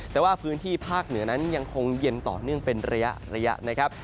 แต่ว่าพื้นที่ภาคเหนือนั้นยังคงเย็นต่อเนื่องเป็นระยะนะครับ